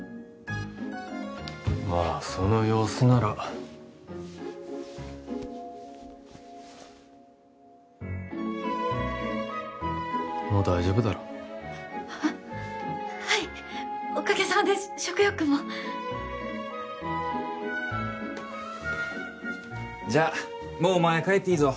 まあその様子ならもう大丈夫だろははいおかげさまで食欲もじゃあもうお前帰っていいぞ